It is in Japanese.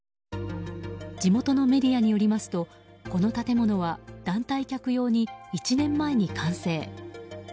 地元のメディアによりますとこの建物は団体客用に１年前に完成。